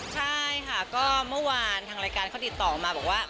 ใช่ค่ะก็เมื่อวานทางรายการเขาติดต่อมาบอกว่า